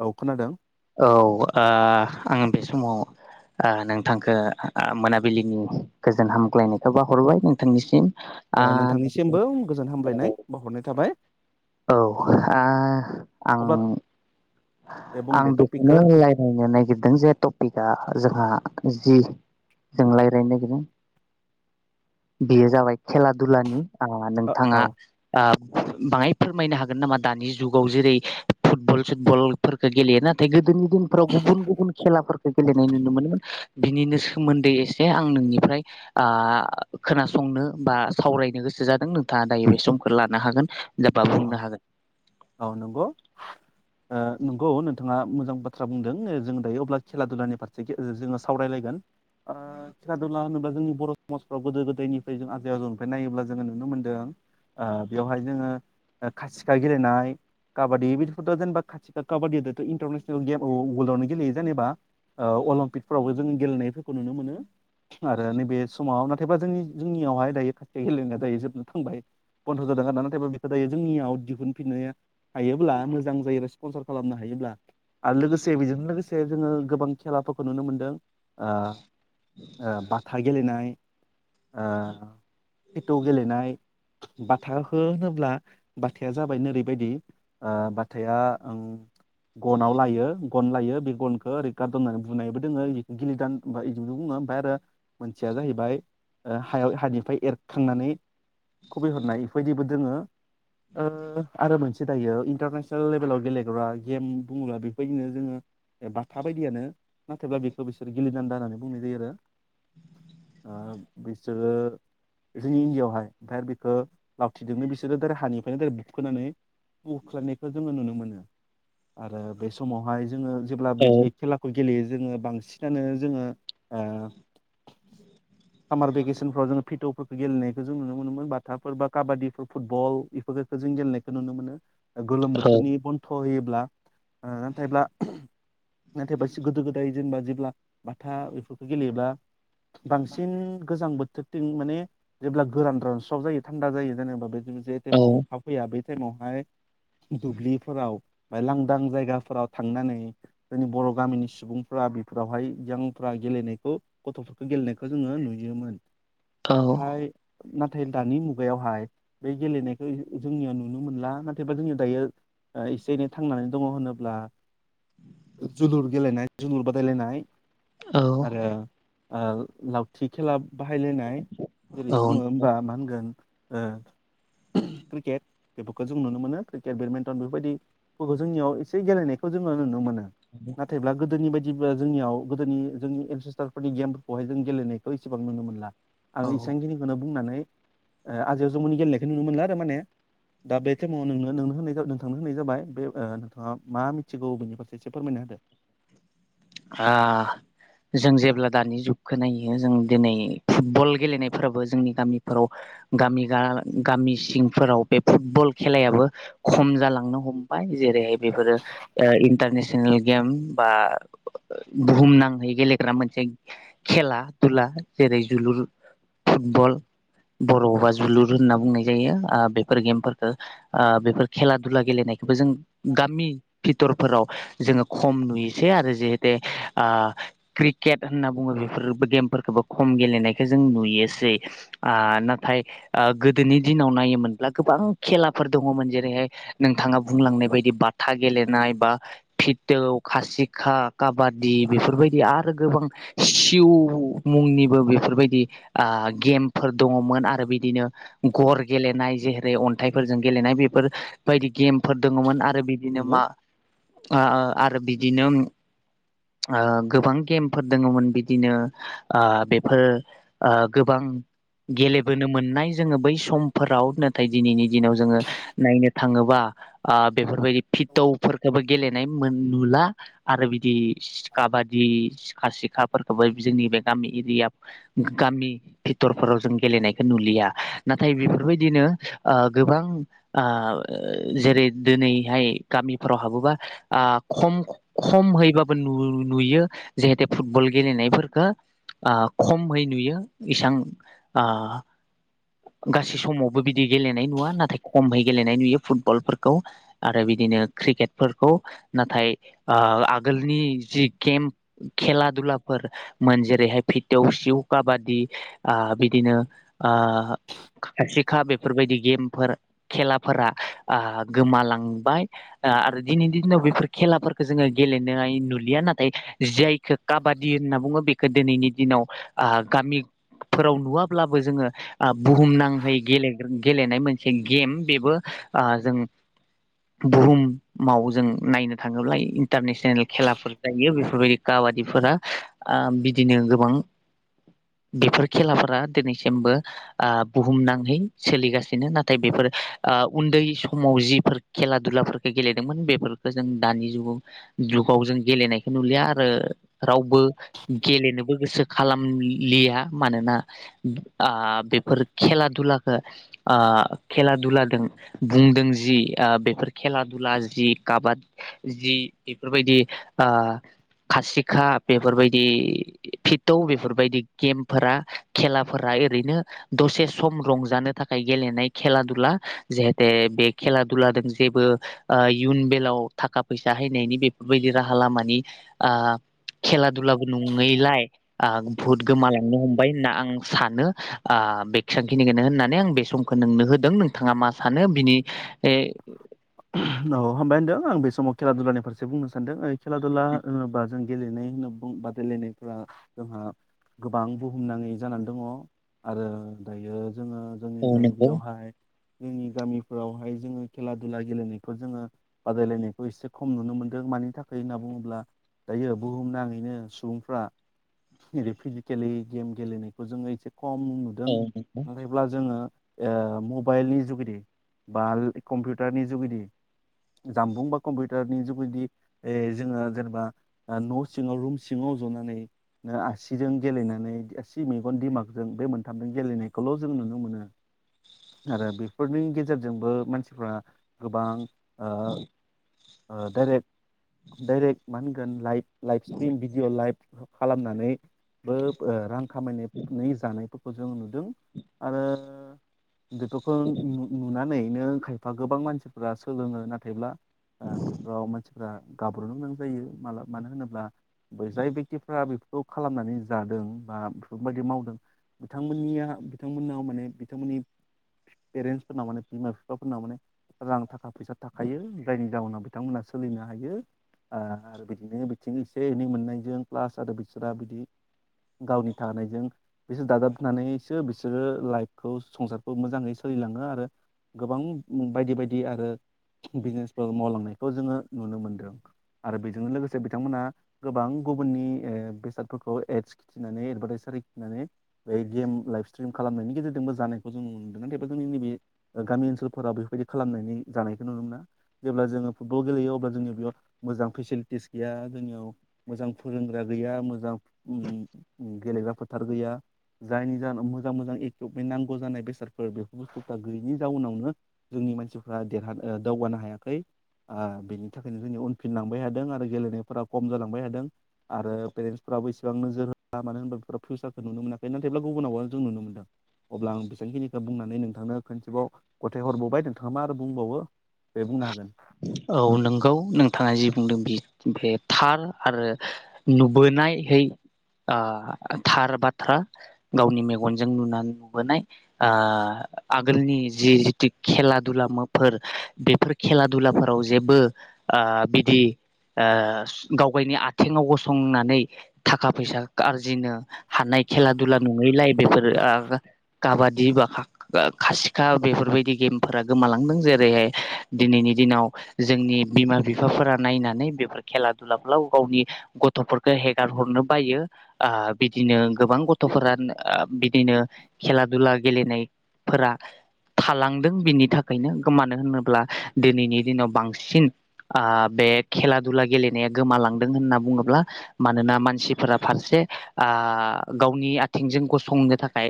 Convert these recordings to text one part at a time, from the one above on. औ खोनादों? औ ओ आं बे समाव ओ नोंथांखो मोनाबिलिनि गोजोन हामग्लायनायखौ बाहरबाय नों ओ नोंथांनिसिमबो गोजोन हामलायनाय बावहरनाय थाबाय। औ ओ आं अब्ला दे बुं आं दे बेखौनो टपिकखौ रायज्लायनो नागिरदों जे टपिकआ जोंहा जि जों रायज्लायनो नागिरदों बेयो जाबाय खेला दुलानि ओ औ औ नोंथांङा आ बाङाय फोरमायनो हागोन नामा दानि जुगाव जेरै- फुटबल जों बलफोरखौ गेलेयो नाथाय गोदोनि दिनफ्राव गुबुन गुबुन खेलाफोरखौ गेलेनाय नुनो मोनोमोन बिनिनो सोमोन्दै एसे आं नोंनिफ्राय आ खोनासंनो बा सावरायनो गोसो जादों नोंथाङा दायो बे समखौ लानो हागोन। बा औ औ बुंनो हागोन। औ नंगौ ओ नंगौ नोंथाङा मोजां बाथ्रा बुंदों जों दायो अब्ला खेला दुलानि फारसे जोङो सावरायलायगोन ओ खेला दुला होनोब्ला जोंनि बर' समाजफ्राव गोदो गोदायनिफ्राय जों आजै आजौनिफ्राय नायोब्ला जोङो नुनो मोनदों ओ बेवहाय जोङो ओ खासिखा गेलेनाय काबादि बिदिफोरथ' जेनेबा खाथिखा काबादिआथ' इन्टारनेसनेल गेम वर्ल्डआवनो गेलेयो जेनेबा ओ अलिम्पिकफोरावबो जों गेलेनायफोरखौ नुनो मोनो। आरो नैबे समाव ना थायबा जोंनि जोंनियावहाय दायो खाथिखा गेलेनाय दायो जोबनो थांबाय बन्द' जादों होनना नाथायबा दायो जोंनियाव दिहुनफिननाया हायोब्ला मोजां जायो स्पनसार खालामनो हायोब्ला आरो लोगोसे बिजोंनो लोगो से जोङो गोबां खेलाफोरखौ नुनो मोनदों। ओ ओ बाथा गेलेनाय ओ फिथौ गेलेनाय बाथाखौ होनो बाथाया जाबाय नोरै बायदि ओ बाथाया ओम गनाव लायो गन लायो बे गनखौ ओरै गारदावना बुंनायबो दोङो गिलिदान बिदि बुङो ओमफ्राय आरो मोनसेया जाहैबाय ओ हायाव हानिफ्राय एर खांनानै खबि हरनाय बेफोरबायदिबो दोङो ओ आरो मोनसे दायो इन्टारनेसनेल लेभेलाव गेलेग्रा गेम बुङोब्ला बेबायदिनो जोङो बाथा बायदियानो नाथायब्ला बेखौ बिसोरो गेलदान्दा होननानै बुंनाय जायो आरो बिसोरो जोंनि इण्डियावहाय ओमफ्राय ओ लावथिदोंनो बिसोर बिसोरो दै हानिफ्रायनोै बुखोनानै बुख्लानायखौ जोङो नुनो मोनो आरो बे समावहाय जोङो जेब्ला औ बे खेलाखौ गेलेयो जोङो बांसिनानो जोङो ओ सामार भेकेसफ्राव जोंङो बिथुफोरखौ गेलेनायखौ जों नुनो मोनोमोन बाथाफोर बा काबादिफोर फुटबल बेफोरफोरखौ जों गेलेनायखौ नुनो मोनो गोलोम औ बोथोरनि बन्थ' होयो ला ओ नाथायब्ला नाथायबा गोदो गोदाय जेनेबा जेब्ला माथा बेफोरखौ गेलेयोब्ला बांसिन गोजां बोथोरथिं माने जेब्ला गोरान गोरान रानस्राव जायो थान्दा जायो जेनेबा जे औ टाइमाव अखा फैया बे टाइमाव हाय दुब्लिफोराव लांदां जायगाफोराव थांनानै जोंनि बर' गामिनि सुबुंफ्रा बेफोरावहाय जोंफ्रा गेलेनायखौ गथ'फोरखौ गेलेनायखौ जोंङो नुयोमोन औ नाथाय ना नाथाय दानि मुगायावहाय बे गेलेनायखौ जोंनियाव नुनो मोनला नाथायबा जोंनि दायो ओ एसे एनै थांनानै दङ होनोब्ला जोलुर गेलेनाय जोलुर बादायलायनाय औ आरो ओ लावथि खेला बाहायलायनाय जेरै औ बुङो होमबा मा होनगोन ओ क्रिकेट बेफोरखौ जों नुनो मोनो क्रिकेट बेडमिन्टन बेफोर बायदिफोरखौ जोंनियाव एसे गेलेनायखौ जोङो नुनो मोनो नाथायब्ला गोदोनि बायदि दिबो जोंनियाव गोदोनि जोंनि एनसेस्टारफोरनि गेमफोरखौहाय जों गेलेनायखौ इसेबां नुनो मोनला। आं औ ओ इसांखिनि खौनो बुंनानै ओ आजियाव जम'नि गेलेनायख बे नुनो मोनला आरो माने दा बे टाइमाव नोंनो नों होनाय नोंथांनो होनाय जाबाय बे ओ नोंथाङा मा मिथिगौ बेनि फारसे एसे फोरमायना होदो? हा जों जेब्ला दानि जुगखो नायो जों दोनै फुटबल गेलेनायफोराबो जोंनि गामिफोराव गामि गा गामि सिंफोराव बे फुटबल खेलायाबो खम जालांनो हमबाय जेरैहाय बेफोरो ओ इन्टारनेसनेल गेम बा बुहुम नाङै गेलेग्रा मोनसे खेला दुला जेरै जोलुर फुटबल बर'आवबा जोलुर होनना बुंनाय जायो ओ बेफोर गेमफोरखो ओ बेफोर खेला दुला गेलेनाय। हुखो जों गामि टर फोराव जोङो खम नुयोसै आरो जेहेथ टे आ क्रिकेट होनना बुङो बेफोरबो गेमफोरखौबो खम गेलेनायखो जों नुयोसै आ नाथाय ओ गोदोनि दिनाव नायोमोनब्ला गोबां खेलाफोर दंङमोन जेरैहाय नोंथांङा बुंलांनाय बायदि बाथा गेलेनाय बा फिथौ खासिखा काबादि बेफोरबायदि आरो गोबां सिउ मुंनिबो बेफोर बायदि आ गेमफोर दङमोन आरो बिदिनो गर गेलेनाय जेरै अन थाइफोरजों गेलेनाय बेफोर बायदि गेमफोर दोङौमोन आर आरो बिदिनो नंगौ मा औ आ आ आरो बिदिनोम ओ गोबां गेमफोर दोङोमोन बिदिनो आ बेफोर ओ गोबां। गेलेबोनो मोननाय जोंनो बै समफोराव नाथाय दिनैनि दिनाव जोङो नायनो थाङोबा आ बेफोरबायदि फिथौफोरखोबो गेलेनाय मोन नुला आरो बिद दिस काबादि सि खा सिखाफोरखौबो जोंनि बे गामि एरियाब गामि भिटरफोराव जों गेलेनायखो नुलिया नाथाय बेफोरबायदिनो ओ गोबां आ जेरै दोनैहाय गामिफोराव हाबोबा आ खम खमहै खो नु नुयो जेहेतो फुटबल गेलेनायफोरखो आ खमहै नुयो इसां आ गासै समावबो बिद दि गेलेनाय नुआ नाथाय खमै गेलेनाय नुयो फुटबलफोरखौ आरो बिदिनो क्रिकेटफोरखौ नाथाय ओ आग गोलनि जि गेम्प खेला दुलाफोर मोन जेरैहाय फिट देवसिउ काबादि आ बिदिनो ओ खासिखा बेफोरबायदि गेमफोर खेलाफोरा आ गोमालांबाय आ आरो दिनैनि दिनाव बेफोर खेलाफोरखो जोङो गेलेनो नोहाय नुलिया नाथाय जाय खो काबादि होनना बुङो बेखो दोनैनि दिनाव आ गामिफोराव नुवाब्लाबो जोङो ओ बुहुम नांहै गेलेग्रोनि गेलेनाय मोनसे गेम बेबो ओ जों बुहुमाव जों नायनो थाङोब्ला इन्टारनेस सेनेल खेलाफोर जायो बेफोरबायदि काबादिफोरा ओ बिदिनो गोबां बेफोर खेलाफोरा दोनैसिमबो ओ बुहुमनांहै सोलिगासिनो नाथाय बेफोर ओ उन्दै समाव जिफोर खेला दुलाफोरखो गेलेदोंमोन बेफोरखो जों दानि जुगाव जुगाव जों गेलेनायखौ नुलिया आरो ओ रावबो गेलेनोबो गोसो खालामलि लिया मानोना आ बेफोर खेला दुलाखो ओ खेला दुलादों बुंदों जि ओ बेफोर खेला दुला जि काबाद जि बेफोर बादि आ खासिखा बेफोरबायदि फिटौ बेफोर बायदि गेमफोरा खेलाफोरा ओरैनो दसे सम रंजानो थाखाय गेलेनाय खेला दुला जेहेते बे खेला दुलादों जेबो ओ इयुन बेलाव थाखा फैसा हैनायनि बेफोरबायदि राहा लामानि आ खेला दुलाबो नङैलाय आ बहुत गोमालांनो हमबाय होनना आं सानो आ बेसांखिनिखोनो होननानै आं बे समखो नोंनो होदों नोंथाङा मा सानो बिनि ए औ हबाय होनदों आं बे समाव खेला दुनि फारसे बुंनो सानदों यै खेला दुलला होनोबा जों गेलेनाय होनना बुं बादायलायनायफोरा जोंहा गोबां बुहुमनाङै जानानै दङ आरो दायो जोङो जोंनि औ दायो नंगौ बेयावहाय जोंनि गामिफोरावहाय जोङो खेला दुला गेलेनायखौ जोङो बादायलायनायखौ एसे खम नुनो मोन्दों मानि थाखाय होनना बुङोब्ला दायो बुहुमनााङैनो सुबुंफ्रा रि फिजिकेलि गेम गेलेनायखौ जोङो एसे खम नुदों औ नंगौ नाथायब्ला जोङो ओ मबाइलनि जुगेदि बा कम्पिउ उटारनि जुगेदि जामबुं बा कम्पिउटारनि जुगिदि जोङो जेनेबा न' सिङाव रुम सिङाव जनानै आसिजों गेलेनानै आसि मेगन दिमागजों बे मोनथामजों गेलेनायखौल' जों नुनो मोनो आरो बेफोरनि गेजेरजोंबो मानसिफ्रा गोबां आ ओ डाइरेक्ट डाइरेक्ट मा होनगोन light live screen video live खालामनानै बो रां खामायनानै जानाय फोरखौ जों नुदों आरो बेफोरखौ नुनानै नो एबा गोबां मानसिफोरा सोलोङो नाथायब्ला बेफोराव मोनसे फोरा गाब्र'नो गोनां जायो माला मानो होनोब्ला बो जाय बेक्तिफ्रा बे खालामनानै जादों बा बेफोरबायदि मावदों बिथांमोननिया बिथांमोननाव माने बिथांमोननि पेरेन्टसफोरनाव माने बिमा बिफाफोरनाव माने रां थाखा फैसा थाखायो जायनि जाउनाव बिथांमोनहा सोलिनो हायो आरो बिदिनो बिथिं एसे एनै मोननायजों पाल्स आरो बिसोरा बिदि गावनि थानायजों बिसोर दाजाबनानै सो बिसोरो लाइफखौ संसारखौ मोजाङै सोलिलाङो आरो गोबां बायदि बायदि आरो बिजनेसफोर मावलांनायखौ जोङो नुनो मोनदों आरो बेजोंनो लोगोसे बिथांमोनहा गोबां गुबुननि बेसादफोरखौ एद्स खिथिनानै एडभार्टाइसारि खिथिनानै बे गेम लाइभ स्ट्रिम खालामनायनि गेजेरजोंबो जानायखौ जों नुनो मोनदों नाथायबा जोंनि नैबे गामि ओनसोल फोराव बेफोरबायदि खालामनानै जानायखौ नुनो मोना जेब्ला जोङो फुटबल गेलेयो अब्ला जोंनियाव बेयाव मोजां फेसिलिटिस गैया जोंनियाव मोजां फोरोंग्रा गैया मोजां गेलेग्रा फोथार गैया जायनि जाहोनाव मोजां मोजां एकुपमेन्ट नांगौ जानाय बेसादफोर बेफोर बुस्थु्फोरा गैयिनि जाउनावनो जोंनि मानसिफ्रा देरहानो दावगानो हायाखै बेनि थाखायनो जोंनि उनफिनलांबाय थादों आरो गेलेनायफोरा खम जालांबाय थादों आरो पेरेन्टसफ्राबो इसेबां नोजोर होआ मानो होनबा बेफोर फिउसारखौ नुनो मोनाखै नाथायब्ला गुबुनाव जों नुनो मोनदों अब्ला आं बेसांखिनिखौ बुंनानै नै नोंथांनो खनसेबाव फाथथाय हरबावबाय नोंथाङा मा आरो बुंबावो बे बुंनो हागोन औ नंगौ नोंथाङा जि बुंदों बे बे थार आरो नुबोनायहै थार बाथ्रा गावनि मेगनजों नुनानै नुबोनाय आगोलनि जि जितु खेला दुलाफोर बेफोर खेला दुलाफोराव जेबो बिदि गावगावनि आथिङाव गसंनानै थाखा फैसा आरजिनो हानाय खेला दुला नङैलाय बेफोर काबादि बा खासिखा बेफोरबायदि गेमफोरा गोमालांदों जेरैहाय दिनैनि दिनाव जोंनि बिमा बिफाफोरा नायनानै बेफोर खेला दुलाफ्राव गावनि गथ'फोरखौ हेगार हरनो बायो बिदिनो गोबां गथ'फोरा बिदिनो खेला दुला गेलेनायफोरा थालांदों बिनि थाखायनो गोमानो हमदों दिनैनि दिनाव बांसिन बे खेला दुला गेलेनाया गोमालांदों होनना बुङोब्ला मानोना मानसिफोरा फारसे गावनि आथिंजों गसंनो थाखाय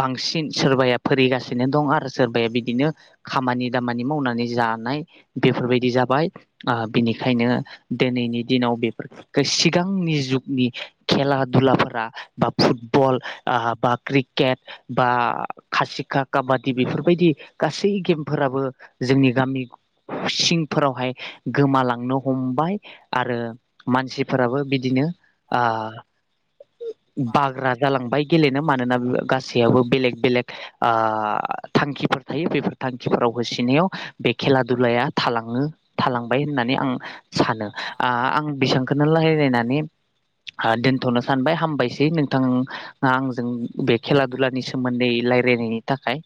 बांसिन सोरबाया फरायगासिनो दं आरो सोरबाया बि बिदिनो खामानि दामानि मावनानै जानाय बेफोरबायदि जाबाय बिनिखायनो दिनैनि दिनाव बेफोर सिगांनि जुगनि खेला दुलाफोरा बा फुटबल बा क्रिकेट बा खासिखा काबादि बेफोरबायदि गासै गेमफोराबो जोंनि गामि सिंफोरावहाय गोमालांनो हमबाय आरो मानसिफोराबो बिदिनो बाग्रा जालांबाय गेलेनो मानोना गासैयावबो बेलेक बेलेक थांखिफोर थायो बेफोर थांखिफोराव होसिनायाव बे खेला दुलाया थालाङो थालांबाय होननानै आं सानो आं बेसेबांखौनो लाय नानै दोनथ'नो सानबाय हामबायसै नोंथां आंजों बे खेला दुलानि सोमोन्दै रायजल्लायनायनि थाखाय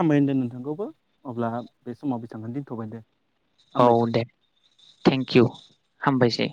हामबाय होनदों नोंथांखौबो अब्ला बे समाव बेसांखौनो दोनथ'बाय दे औ हामबायसै दे थेंकिउ हामबायसै